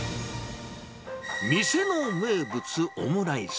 店の名物、オムライス。